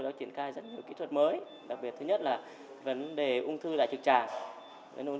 thứ hai là triển khai những kỹ thuật mới